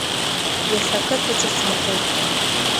Иахьа ақыҭаҿы сынхоит.